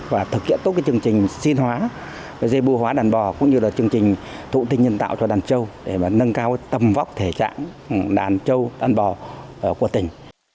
và thực hiện tốt cái chương trình xin hóa dây bưu hóa đàn bò cũng như là chương trình thụ tinh nhân tạo cho đàn trâu để nâng cao tầm vóc thể trạng đàn trâu ăn bò của tỉnh